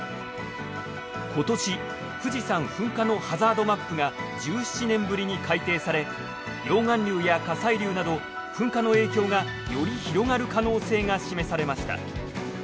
今年富士山噴火のハザードマップが１７年ぶりに改定され溶岩流や火砕流など噴火の影響がより広がる可能性が示されました。